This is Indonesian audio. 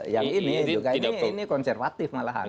yang ini juga ini konservatif malahan